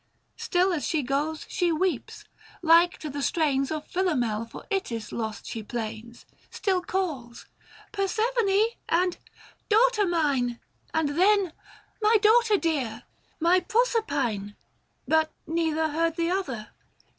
Still as she goes she weeps; like to the strains Of Philomel for Itys lost, she plains ; Still calls " Persephone !" and " Daughter mine !" And then " My daughter dear ! my Proserpine !" 540 But neither heard the other.